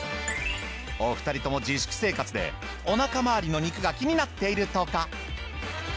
お二人とも自粛生活でお腹まわりの肉が気になっているとか。